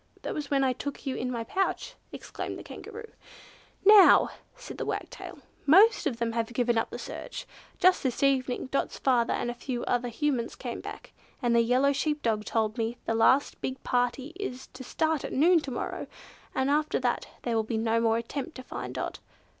"That was when I took you in my pouch!" exclaimed the Kangaroo. "Now," said the Wagtail, "most of them have given up the search. Just this evening Dot's father and a few other Humans came back, and the yellow sheep dog told me the last big party is to start at noon to morrow, and after that there will be no more attempt to find Dot.